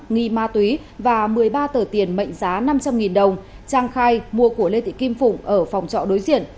nghi ma túy và một mươi ba tờ tiền mệnh giá năm trăm linh đồng trang khai mua của lê thị kim phụng ở phòng trọ đối diện